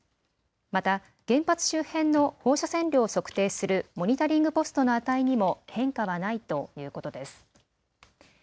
また原発周辺の放射線量を測定するモニタリングポストの値にも変化はないということです。